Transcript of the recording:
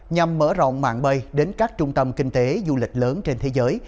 nhằm mở rộng mạng bay đến các trung tâm kinh tế du lịch lớn trên thế giới